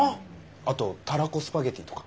あとたらこスパゲッティとか。